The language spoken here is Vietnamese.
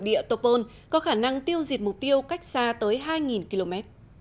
địa topol có khả năng tiêu diệt mục tiêu cách xa tới hai km